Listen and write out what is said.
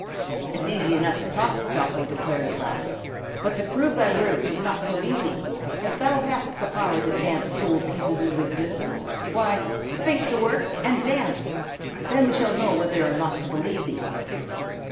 "It's easy enough to talk," Jocko declared at last, "but to prove thy words is not so easy. If thou hast the power to dance gold pieces into existence, why, face to work and dance! Then we shall know whether or not to believe thee."